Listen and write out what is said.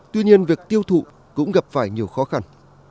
tuy nhiên việc tiêu thụ cũng gặp phải nhiều khó khăn